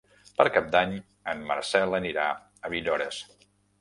Per Cap d'Any en Marcel anirà a Villores.